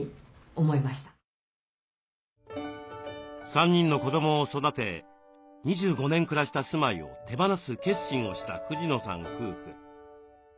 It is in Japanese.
３人の子どもを育て２５年暮らした住まいを手放す決心をした藤野さん夫婦。